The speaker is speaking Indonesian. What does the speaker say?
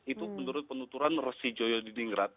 itu menurut penuturan resi joyo di dinggrat